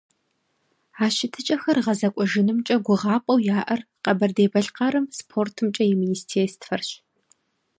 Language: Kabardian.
А щытыкӀэхэр гъэзэкӀуэжынымкӀэ гугъапӀэу яӀэр Къэбэрдей-Балъкъэрым СпортымкӀэ и министерствэрщ.